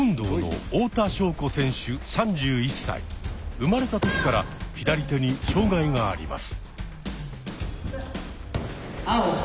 生まれた時から左手に障害があります。